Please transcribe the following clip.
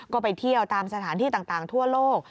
ก็ไปเที่ยวตามสถานที่ต่างทั่วโลก